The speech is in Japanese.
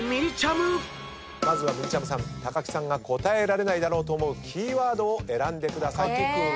まずみりちゃむさん木さんが答えられないだろうと思うキーワードを選んでください。